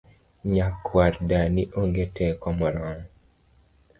Nyakwar dani onge teko moromo